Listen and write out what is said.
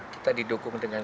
kita didukung dengan